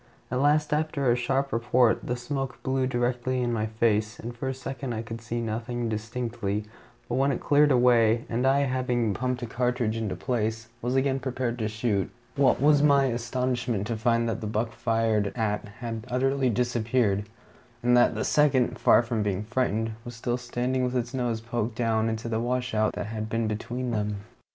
At last, after a sharp report, the smoke blew directly in my face, and for a second I could see nothing distinctly; but when it cleared away, and I, having pumped a cartridge into place, was again prepared to shoot, what was my astonishment to find that the buck fired at had utterly disappeared, and that the second, far from being frightened, was still standing with his nose poked down into the washout that had been between them.